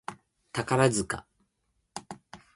宝塚